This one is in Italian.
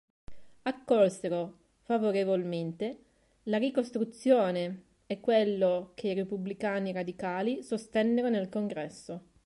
Accolsero favorevolmente la Ricostruzione e quello che i Repubblicani radicali sostennero nel Congresso.